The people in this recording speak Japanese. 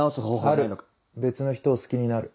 ある別の人を好きになる。